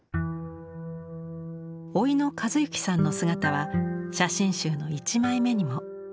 甥の和行さんの姿は写真集の１枚目にも。